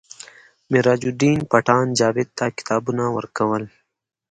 میراج الدین پټان جاوید ته کتابونه ورکول